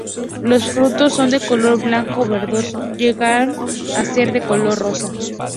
Los frutos son de color blanco verdoso, llegando a ser de color rosa.